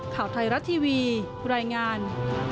ข่าวไทยรัฐทีวีรายงาน